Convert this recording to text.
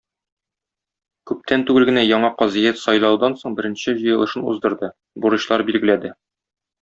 Күптән түгел генә яңа казыят сайлаудан соң беренче җыелышын уздырды, бурычлар билгеләде.